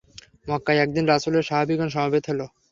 মক্কায় একদিন রাসূলের সাহাবীগণ সমবেত হল।